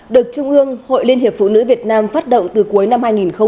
được trung ương hội liên hiệp phụ nữ việt nam phát động từ cuối năm hai nghìn một mươi chín